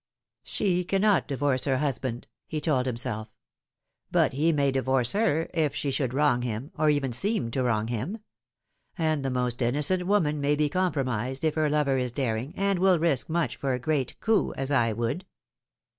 " She cannot divorce her husband," he told himself ;" but he may divorce her if she should wrong him, or even seem to wrong him : and the most innocent woman may be com promised if her lover is daring and will risk much for a great coup, as I would."